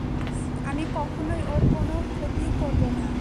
আমি কখনোই ওর কোনো ক্ষতি করবো না।